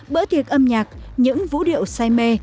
bỡ thiệt âm nhạc những vũ điệu say mê